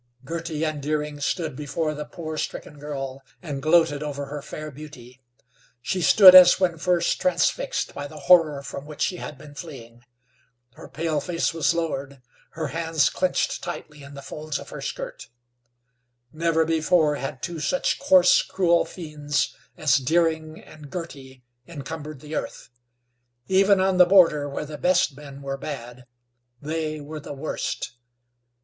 Girty and Deering stood before the poor, stricken girl, and gloated over her fair beauty. She stood as when first transfixed by the horror from which she had been fleeing. Her pale face was lowered, her hands clenched tightly in the folds of her skirt. Never before had two such coarse, cruel fiends as Deering and Girty encumbered the earth. Even on the border, where the best men were bad, they were the worst.